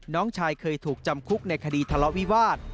น้องชายเคยถูกจำคุกในคดีทะเลาะวิวาส